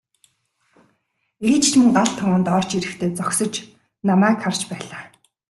Ээж ч мөн гал тогоонд орж ирэхдээ зогсож намайг харж байлаа.